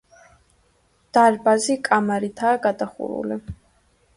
დარბაზი კამარითაა გადახურული.